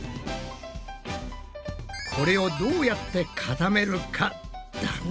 これをどうやって固めるかだな。